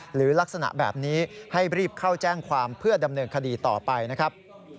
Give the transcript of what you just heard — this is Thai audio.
หรือลักษณะแบบนี้ให้รีบเข้าแจ้งความเพื่อดำเนินคดีต่อไปนะครับ